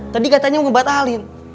tadi katanya mau ngebatalin